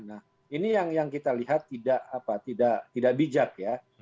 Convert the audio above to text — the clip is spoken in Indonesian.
nah ini yang kita lihat tidak bijak ya